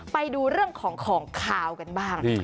ไปดูเรื่องของของขาวกันบ้าง